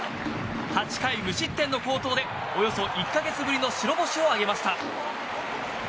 ８回無失点の好投でおよそ１か月ぶりの白星を挙げました。